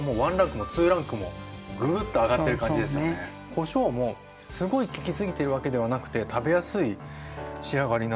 こしょうもすごい利きすぎてるわけではなくて食べやすい仕上がりになってます。